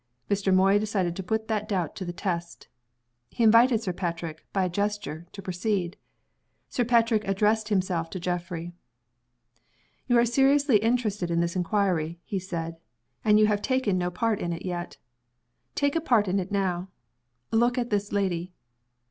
Mr. Moy decided to put that doubt to the test. He invited Sir Patrick, by a gesture, to proceed. Sir Patrick addressed himself to Geoffrey. "You are seriously interested in this inquiry," he said; "and you have taken no part in it yet. Take a part in it now. Look at this lady."